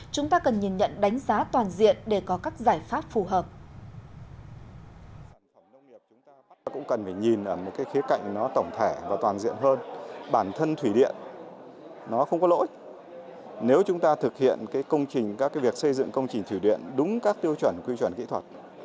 chúng ta cần nhìn nhận đánh giá toàn diện để có các giải pháp phù hợp